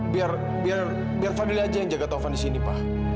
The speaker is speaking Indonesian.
biar biar biar fadil aja yang jaga taufan di sini pak